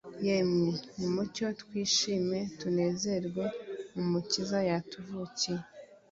Yemwe nimucyo twishime tunezerwe Umukiza yatuvukiye